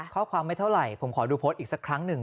ข้อความไม่เท่าไหร่ผมขอดูโพสต์อีกสักครั้งหนึ่ง